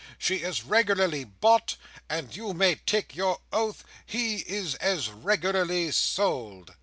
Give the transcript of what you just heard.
She is regularly bought, and you may take your oath he is as regularly sold!